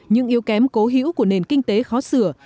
những yếu kém cố hữu của nền kinh tế khó sửa